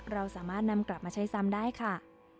เราสามารถนำกลับมาใช้ซ้ำได้ค่ะ